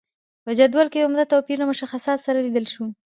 په جدول کې عمده توپیرونه مشخصاتو سره لیدلای شو.